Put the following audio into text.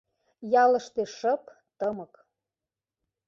Ялыште шып-тымык.